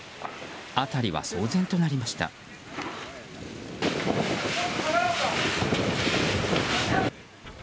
辺りは騒然となりました。